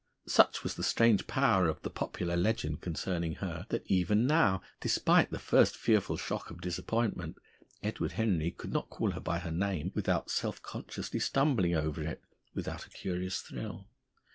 Such was the strange power of the popular legend concerning her, that even now, despite the first fearful shock of disappointment, Edward Henry could not call her by her name, without self consciously stumbling over it, without a curious thrill.